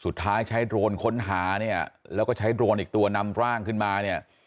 สุดท้ายใช้โดรนค้นหาเนี่ยแล้วก็ใช้โดรนอีกตัวนำร่างขึ้นมาเนี่ย